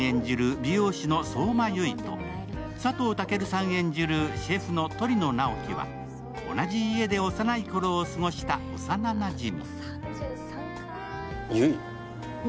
美容師の相馬悠依と佐藤健さん演じるシェフの鳥野直木は、同じ家で幼い頃を過ごした幼なじみ。